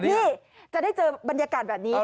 นี่จะได้เจอบรรยากาศแบบนี้